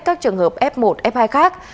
các trường hợp f một f hai khác